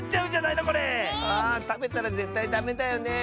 たべたらぜったいダメだよね。